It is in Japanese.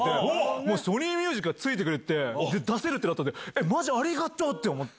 もうソニーミュージックがついてくれて、出せるってなって、マジ、ありがとうって思って。